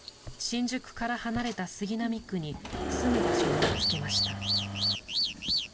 新宿から離れた杉並区に住む場所も見つけました。